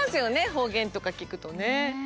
方言とか聞くとね。